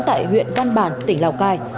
tại huyện văn bản tỉnh lào cai